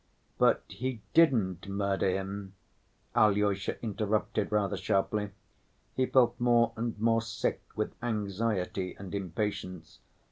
"But he didn't murder him," Alyosha interrupted rather sharply. He felt more and more sick with anxiety and impatience.